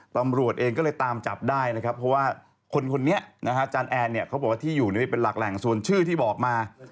ก็เลยตามจับได้นะครับเพราะว่าคนเนี่ยอาจารย์แอร์เขาบอกว่าที่อยู่นี่ไม่เป็นหลักแหล่งส่วนชื่อที่บอกมา